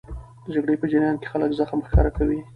د جګړې په جریان کې خلک زغم ښکاره کوي.